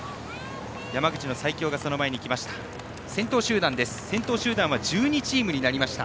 山口の西京がその前に来ました。